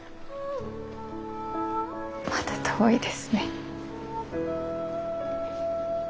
また遠いですね。